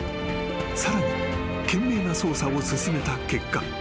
［さらに懸命な捜査を進めた結果］